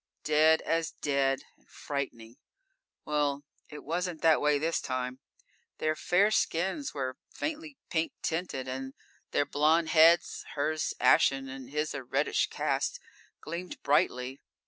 Dead as dead, and frightening. Well, it wasn't that way this time. Their fair skins were faintly pink tinted and their blonde heads, hers ashen and his a reddish cast, gleamed brightly.